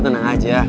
lo tenang aja